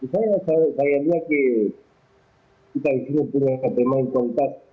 saya sayangnya kita disini punya pemain kompet